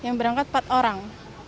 yang berangkat empat orang